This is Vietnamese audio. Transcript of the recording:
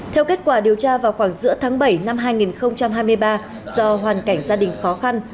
theo kết quả điều tra vào khoảng giữa tháng bảy năm hai nghìn hai mươi ba do hoàn cảnh gia đình khó khăn